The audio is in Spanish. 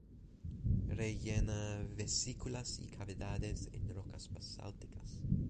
Rellena vesículas y cavidades en rocas basálticas.